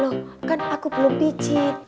loh kan aku belum picit